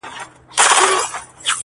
څومره غښتلی څومره بېباکه!.